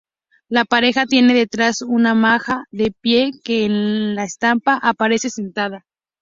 La pareja tiene detrás una maja de pie que en la estampa aparece sentada.